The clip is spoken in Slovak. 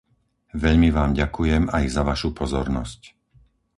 Veľmi vám ďakujem aj za vašu pozornosť.